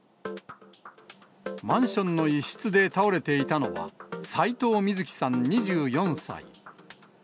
マンションの一室で倒れていたのは、斎藤瑞希さん２４歳。